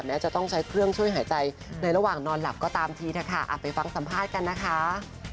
จะต้องใช้เครื่องช่วยหายใจในระหว่างนอนหลับก็ตามทีเถอะค่ะไปฟังสัมภาษณ์กันนะคะ